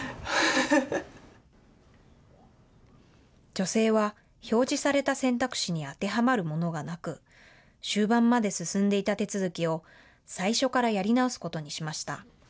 女性は表示された選択肢に当てはまるものがなく終盤まで進んでいた手続きを最初からやり直すことにしました。